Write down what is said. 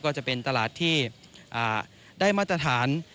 ก็จะเป็นตลาดที่ได้มาตรฐาน